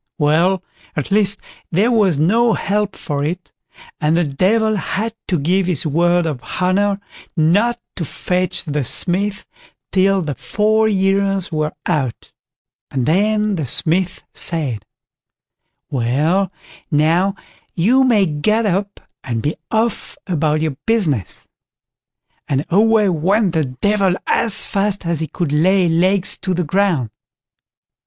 Well, at last there was no help for it, and the Devil had to give his word of honour not to fetch the Smith till the four years were out; and then the Smith said: "Well now, you may get up and be off about your business", and away went the Devil as fast as he could lay legs to the ground.